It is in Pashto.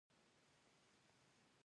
که خلک یو بل ومني، نو اختلاف به کم شي.